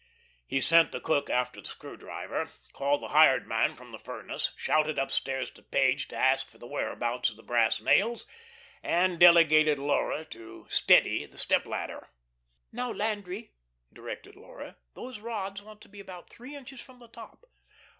He sent the cook after the screw driver, called the hired man from the furnace, shouted upstairs to Page to ask for the whereabouts of the brass nails, and delegated Laura to steady the step ladder. "Now, Landry," directed Laura, "those rods want to be about three inches from the top."